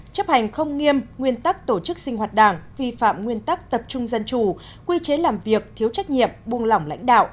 chấp hành không nghiêm nguyên tắc tổ chức sinh hoạt đảng vi phạm nguyên tắc tập trung dân chủ quy chế làm việc thiếu trách nhiệm buông lỏng lãnh đạo